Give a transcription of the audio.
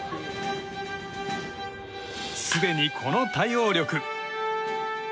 すでに、この対応力。